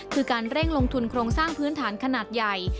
คือการเร่งลงทุนโครงสร้างพื้นฐานขนาดใหญ่